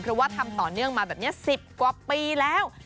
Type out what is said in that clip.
เพราะว่าทำต่อเนื่องมาแบบนี้๑๐กว่าปีแล้ว